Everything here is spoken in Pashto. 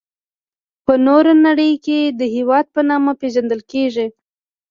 په نوره نړي کي د هیواد په نامه پيژندل کيږي.